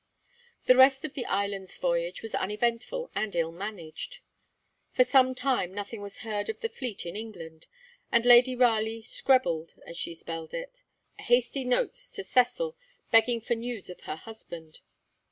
The rest of the Islands Voyage was uneventful and ill managed. For some time nothing was heard of the fleet in England, and Lady Raleigh 'skrebbled,' as she spelt it, hasty notes to Cecil begging for news of her husband.